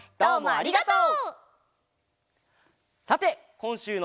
ありがとう！